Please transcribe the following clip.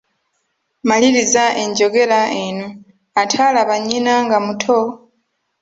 Maliriza enjogera eno, ataalaba nnyina nga muto …